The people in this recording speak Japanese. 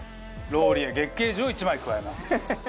ローリエ月桂樹を１枚加えます。